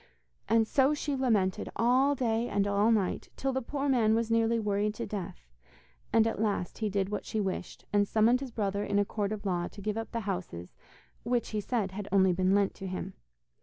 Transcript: And so she lamented all day and all night, till the poor man was nearly worried to death; and at last he did what she wished, and summoned his brother in a court of law to give up the houses which, he said, had only been lent to him.